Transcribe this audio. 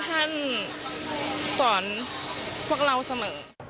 ท่านสอนพวกเราเสมอ